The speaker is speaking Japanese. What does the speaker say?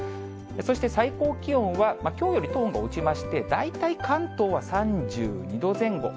そして最高気温は、きょうよりトーンが落ちまして、大体関東は３２度前後。